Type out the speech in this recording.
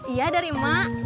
iya dari mak